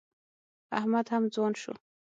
احمد هم ځوان شو.